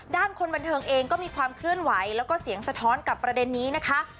คนบันเทิงเองก็มีความเคลื่อนไหวแล้วก็เสียงสะท้อนกับประเด็นนี้นะคะ